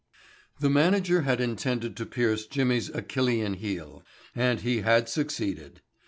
The manager had intended to pierce Jimmy's Achillian heel and he had succeeded.